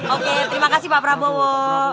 oke terima kasih pak prabowo